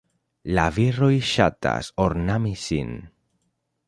La viroj ŝatas ornami sin.